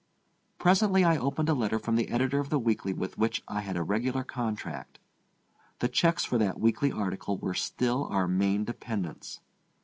Presently I opened a letter from the editor of the weekly with which I had a regular contract. The checks for that weekly article were still our main dependence.